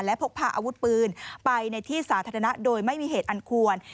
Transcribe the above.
และพกพาอาวุธปืนไปในที่สาธารณะโดยไม่มีเหตุอันควร